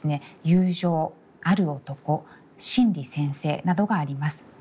「友情」「或る男」「真理先生」などがあります。